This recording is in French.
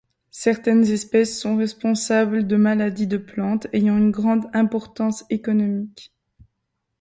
Certaines espèces sont responsables de maladies de plantes ayant une grande importance économique.